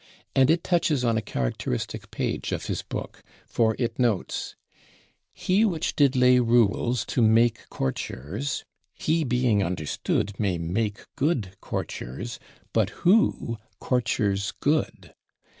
and it touches on a characteristic page of his book, for it notes: "He which did lay Rules to make courtiers (he, being understood, May make good courtiers, but who courtiers good?)